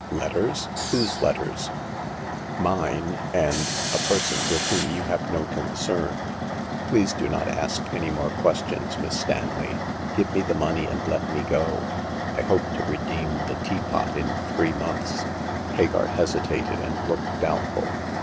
" Letters ? Whose letters ?"" Mine and — a person's with whom you have no concern. Please do not ask any more ques The Sixth Customer. 157 tions, Miss Stanley. Give me the money and let me go. I hope to redeem the teapot in three months.'' Hagar hesitated and looked doubtful.